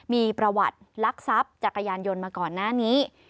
มีประวัติลักทรัพย์จักรยานยนต์มาก่อนหน้านี้